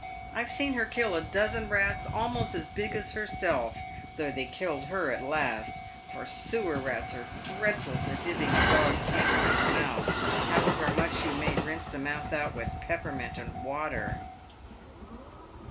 I've seen her kill a dozen rats almost as big as herself, though they killed her at last, for sewer rats are dreadful for giving a dog canker in the mouth, however much you may rinse the mouth out with peppermint and water."